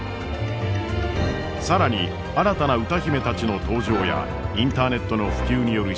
更に新たな歌姫たちの登場やインターネットの普及によるＣＤ